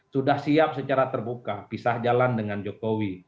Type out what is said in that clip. sudah siap secara terbuka pisah jalan dengan jokowi